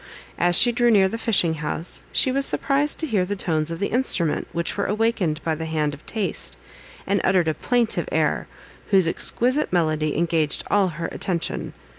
As she drew near the fishing house, she was surprised to hear the tones of the instrument, which were awakened by the hand of taste, and uttered a plaintive air, whose exquisite melody engaged all her attention.